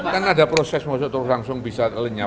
kan ada proses mau langsung bisa lenyap